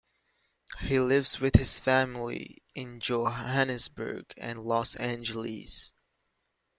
He lives with his family in Johannesburg and Los Angeles.